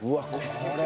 これ。